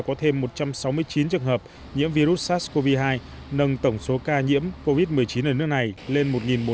có thêm một trăm sáu mươi chín trường hợp nhiễm virus sars cov hai nâng tổng số ca nhiễm covid một mươi chín ở nước này lên